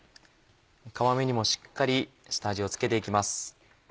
皮目にもしっかり下味を付けて行きます。